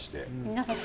皆さん